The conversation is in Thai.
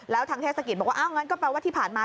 แล้วทางเทศกิจบอกว่าอ้าวงั้นก็แปลว่าที่ผ่านมา